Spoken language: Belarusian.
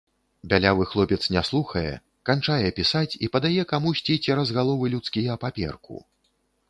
Бялявы хлопец не слухае, канчае пісаць і падае камусьці цераз галовы людскія паперку.